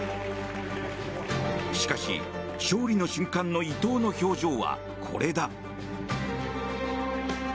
しかし、勝利の瞬間の伊藤の表情はこれだ。